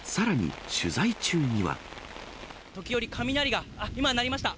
時折、雷が、あっ、今、鳴りました。